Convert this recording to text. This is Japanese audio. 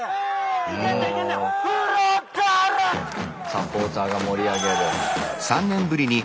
サポーターが盛り上げる。